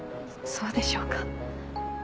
そうでしょうか。